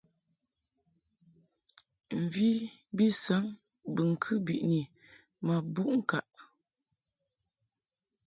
Mvi bi saŋ bɨŋkɨ biʼni ma buʼ ŋkaʼ.